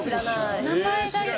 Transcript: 名前だけ。